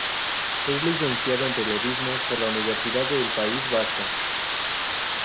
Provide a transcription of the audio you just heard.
Es licenciado en Periodismo por la Universidad del País Vasco.